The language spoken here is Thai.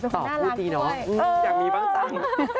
ตอบพูดดีเนาะอยากมีบ้างจัง